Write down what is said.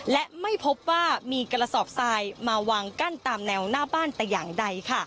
และไม่พบว่ามีกระสอบทรายมาวางกั้นตามแนวหน้าบ้านแต่อย่างใด